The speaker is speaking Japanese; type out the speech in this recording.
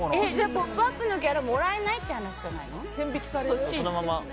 「ポップＵＰ！」のギャラもらえないって話じゃないの？